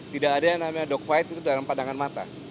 tidak ada yang namanya dogfight itu dalam pandangan mata